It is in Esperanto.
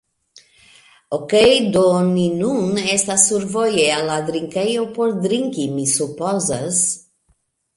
Okej, do ni nun estas survoje al la drinkejo por drinki, mi supozas.